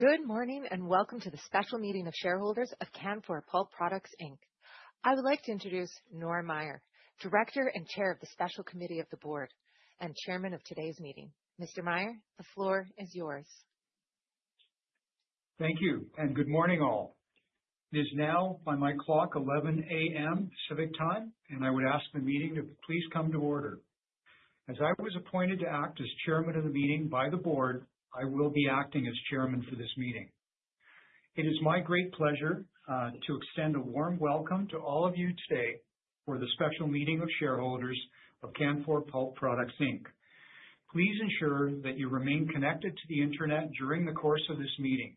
Good morning, and welcome to the special meeting of shareholders of Canfor Pulp Products Inc. I would like to introduce John Baird, Director and Chair of the Special Committee of the Board and Chairman of today's meeting. Mr. Baird, the floor is yours. Thank you and good morning, all. It is now by my clock, 11 A.M. Pacific time, and I would ask the meeting to please come to order. As I was appointed to act as chairman of the meeting by the board, I will be acting as chairman for this meeting. It is my great pleasure to extend a warm welcome to all of you today for the special meeting of shareholders of Canfor Pulp Products Inc. Please ensure that you remain connected to the Internet during the course of this meeting.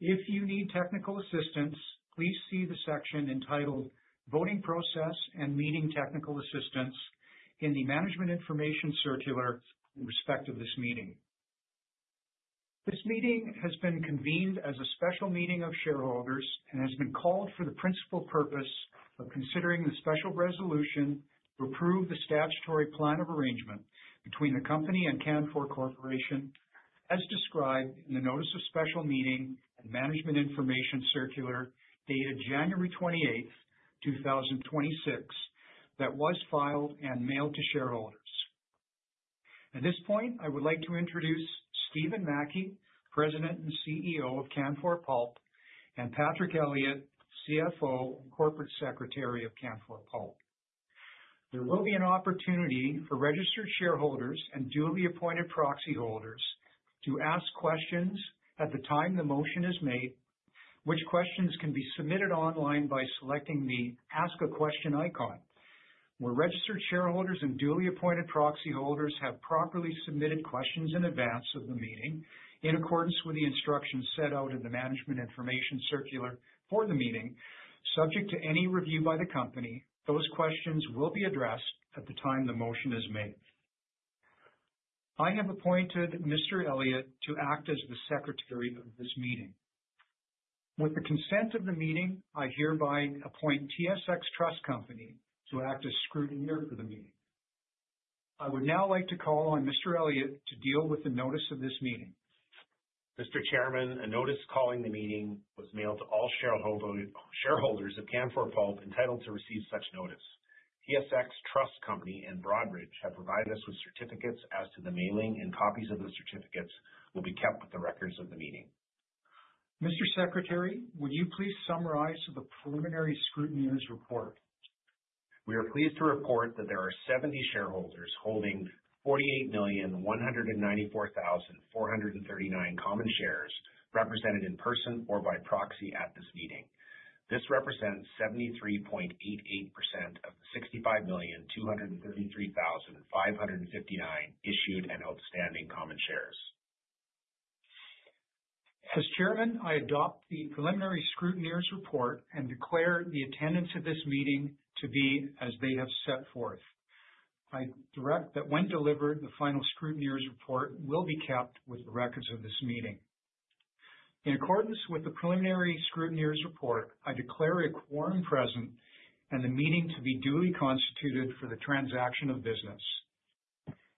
If you need technical assistance, please see the section entitled Voting Process and Meeting Technical Assistance in the Management Information Circular in respect of this meeting. This meeting has been convened as a special meeting of shareholders and has been called for the principal purpose of considering the special resolution to approve the statutory plan of arrangement between the company and Canfor Corporation, as described in the Notice of Special Meeting and Management Information Circular dated January 28, 2026, that was filed and mailed to shareholders. At this point, I would like to introduce Stephen Mackie, President and CEO of Canfor Pulp, and Patrick A. Elliott, CFO and Corporate Secretary of Canfor Pulp. There will be an opportunity for registered shareholders and duly appointed proxy holders to ask questions at the time the motion is made, which questions can be submitted online by selecting the Ask a Question icon. Where registered shareholders and duly appointed proxy holders have properly submitted questions in advance of the meeting in accordance with the instructions set out in the Management Information Circular for the meeting, subject to any review by the company, those questions will be addressed at the time the motion is made. I have appointed Mr. Elliott to act as the secretary of this meeting. With the consent of the meeting, I hereby appoint TSX Trust Company to act as scrutineer for the meeting. I would now like to call on Mr. Elliott to deal with the notice of this meeting. Mr. Chairman, a notice calling the meeting was mailed to all shareholders of Canfor Pulp entitled to receive such notice. TSX Trust Company and Broadridge have provided us with certificates as to the mailing, and copies of the certificates will be kept with the records of the meeting. Mr. Secretary, would you please summarize the preliminary scrutineer's report? We are pleased to report that there are 70 shareholders holding 48,194,439 common shares represented in person or by proxy at this meeting. This represents 73.88% of the 65,233,559 issued and outstanding common shares. As chairman, I adopt the preliminary scrutineer's report and declare the attendance of this meeting to be as they have set forth. I direct that when delivered, the final scrutineer's report will be kept with the records of this meeting. In accordance with the preliminary scrutineer's report, I declare a quorum present and the meeting to be duly constituted for the transaction of business.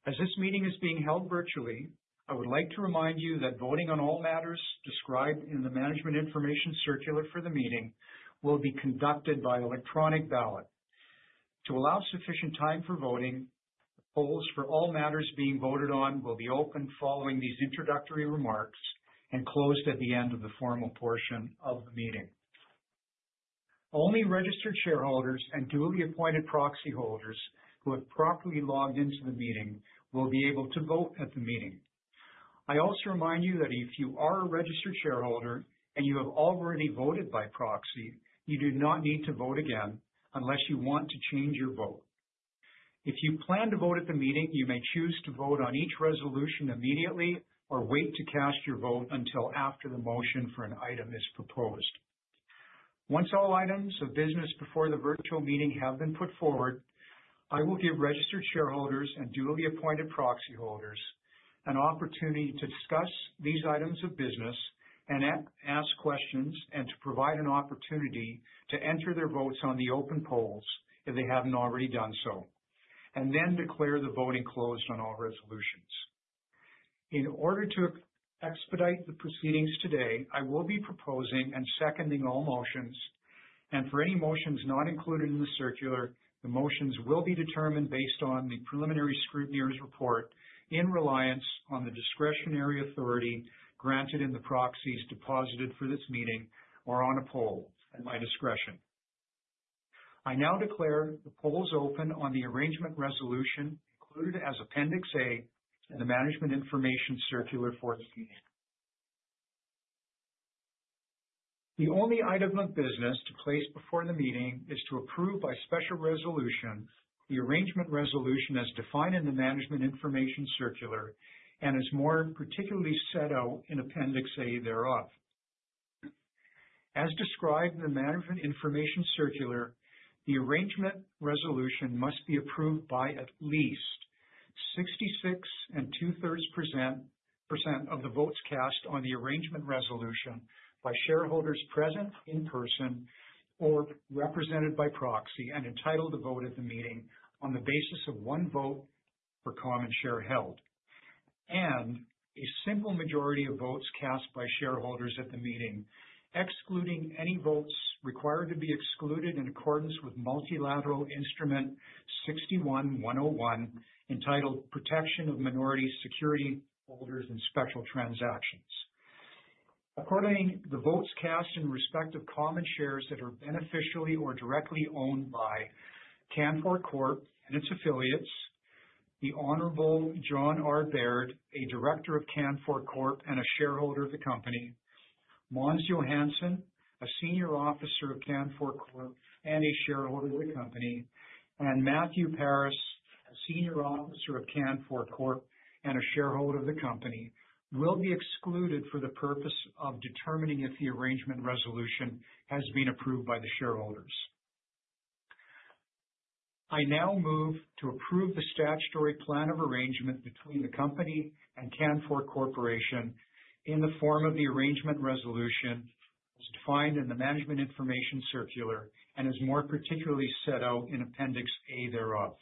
As this meeting is being held virtually, I would like to remind you that voting on all matters described in the Management Information Circular for the meeting will be conducted by electronic ballot. To allow sufficient time for voting, polls for all matters being voted on will be open following these introductory remarks and closed at the end of the formal portion of the meeting. Only registered shareholders and duly appointed proxy holders who have properly logged into the meeting will be able to vote at the meeting. I also remind you that if you are a registered shareholder and you have already voted by proxy, you do not need to vote again unless you want to change your vote. If you plan to vote at the meeting, you may choose to vote on each resolution immediately or wait to cast your vote until after the motion for an item is proposed. Once all items of business before the virtual meeting have been put forward, I will give registered shareholders and duly appointed proxy holders an opportunity to discuss these items of business and ask questions and to provide an opportunity to enter their votes on the open polls if they haven't already done so, and then declare the voting closed on all resolutions. In order to expedite the proceedings today, I will be proposing and seconding all motions, and for any motions not included in the Circular, the motions will be determined based on the preliminary scrutineer's report in reliance on the discretionary authority granted in the proxies deposited for this meeting or on a poll at my discretion. I now declare the polls open on the Arrangement Resolution included as Appendix A in the Management Information Circular for the meeting. The only item of business to place before the meeting is to approve by special resolution the Arrangement Resolution as defined in the Management Information Circular and as more particularly set out in Appendix A thereof. As described in the Management Information Circular, the Arrangement Resolution must be approved by at least 66 2/3% of the votes cast on the Arrangement Resolution by shareholders present in person or represented by proxy and entitled to vote at the meeting on the basis of one vote for common share held, and a simple majority of votes cast by shareholders at the meeting, excluding any votes required to be excluded in accordance with Multilateral Instrument 61-101, entitled Protection of Minority Security Holders in Special Transactions. According to the votes cast in respect of common shares that are beneficially or directly owned by Canfor Corp and its affiliates, the Honorable John R. Baird. Baird, a director of Canfor Corp and a shareholder of the company, Måns Johansson, a senior officer of Canfor Corp and a shareholder of the company, and Matthew Parrott, a senior officer of Canfor Corp and a shareholder of the company, will be excluded for the purpose of determining if the Arrangement Resolution has been approved by the shareholders. I now move to approve the statutory plan of arrangement between the company and Canfor Corporation in the form of the Arrangement Resolution as defined in the Management Information Circular and is more particularly set out in Appendix A thereof.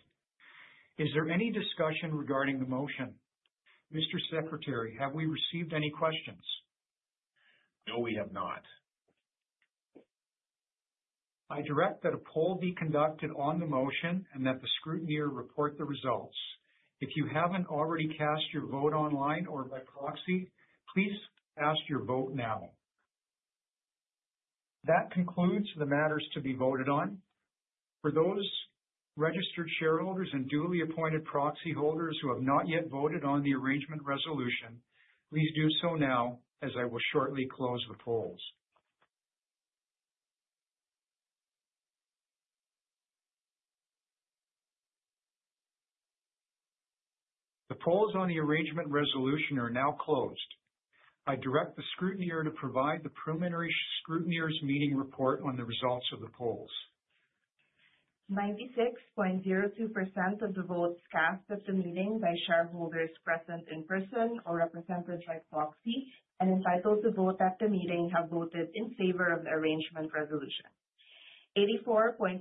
Is there any discussion regarding the motion? Mr. Secretary, have we received any questions? No, we have not. I direct that a poll be conducted on the motion and that the scrutineer report the results. If you haven't already cast your vote online or by proxy, please cast your vote now. That concludes the matters to be voted on. For those registered shareholders and duly appointed proxy holders who have not yet voted on the Arrangement Resolution, please do so now, as I will shortly close the polls. The polls on the Arrangement Resolution are now closed. I direct the scrutineer to provide the preliminary scrutineer's meeting report on the results of the polls. 96.02% of the votes cast at the meeting by shareholders present in person or represented by proxy and entitled to vote at the meeting, have voted in favor of the Arrangement Resolution. 84.42%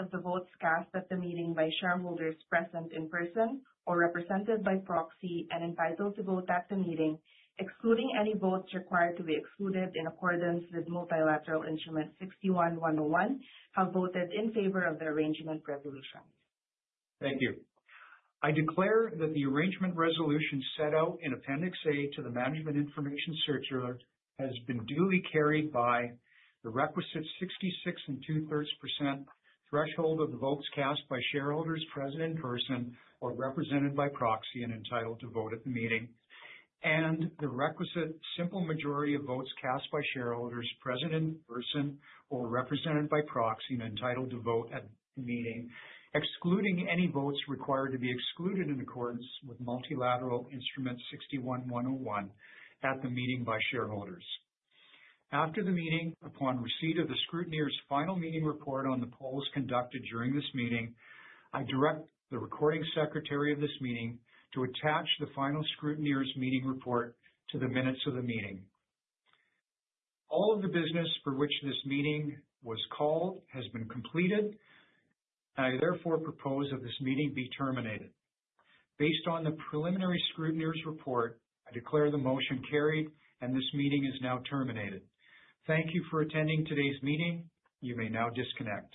of the votes cast at the meeting by shareholders present in person or represented by proxy and entitled to vote at the meeting, excluding any votes required to be excluded in accordance with Multilateral Instrument 61-101, have voted in favor of the Arrangement Resolution. Thank you. I declare that the arrangement resolution set out in Appendix A to the Management Information Circular has been duly carried by the requisite 66 2/3% threshold of the votes cast by shareholders present in person or represented by proxy and entitled to vote at the meeting. The requisite simple majority of votes cast by shareholders present in person or represented by proxy and entitled to vote at the meeting, excluding any votes required to be excluded in accordance with Multilateral Instrument 61-101 at the meeting by shareholders. After the meeting, upon receipt of the scrutineer's final meeting report on the polls conducted during this meeting, I direct the recording secretary of this meeting to attach the final scrutineer's meeting report to the minutes of the meeting. All of the business for which this meeting was called has been completed. I therefore propose that this meeting be terminated. Based on the preliminary scrutineer's report, I declare the motion carried and this meeting is now terminated. Thank you for attending today's meeting. You may now disconnect.